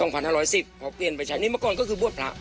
พอเปลี่ยนไปใช้นี่เมื่อก่อนก็คือบวชพระ